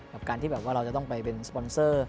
กับการที่แบบว่าเราจะต้องไปเป็นสปอนเซอร์